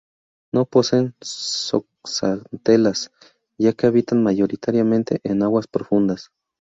No poseen zooxantelas, ya que habitan mayoritariamente en aguas profundas.